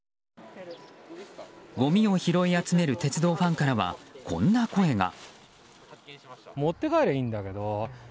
ごみを拾い集める鉄道ファンからはこんな声が。